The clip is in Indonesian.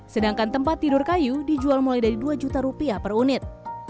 sedangkan tempat tidur kayu dijual mulai dari dua juta rupiah per unit